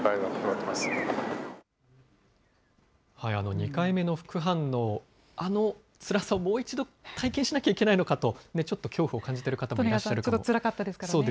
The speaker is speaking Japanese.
２回目の副反応、あのつらさをもう一度、体験しなきゃいけないのかと、ちょっと恐怖を感じてる方もいらっしゃるかと。